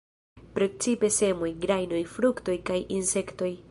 Precipe semoj, grajnoj, fruktoj kaj insektoj.